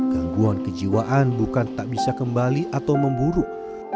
gangguan kejiwaan bukan tak bisa kembali atau memburuk